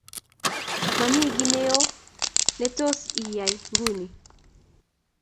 momi kiy ne oo ne tos iyay nguni